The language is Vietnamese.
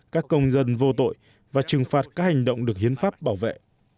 các công dân vô tội và trừng phạt các hành động được hiến pháp bảo vệ